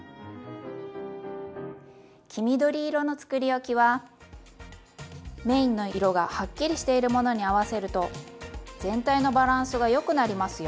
黄緑色のつくりおきはメインの色がはっきりしているものに合わせると全体のバランスがよくなりますよ。